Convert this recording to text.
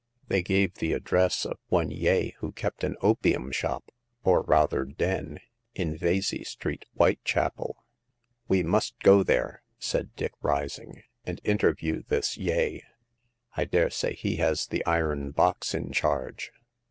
They gave the address of one Yeh, who kept an opium shop — or rather den — in Vesey Street, White chapel. " We must go there," said Dick, rising, " and interview this Yeh. I dare say he has the iron box in charge."